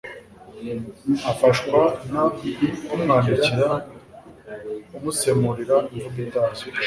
afashwa n umwandikira umusemurira imvugo itazwi